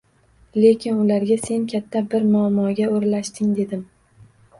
Lekin ularga sen katta bir muammoga oʻralashding dedim.